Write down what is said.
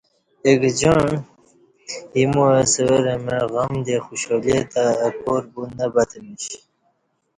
اہ گجاعں ایمو او سورہ مع غم دے خوشالی تہ اپار بو نہ بتمیش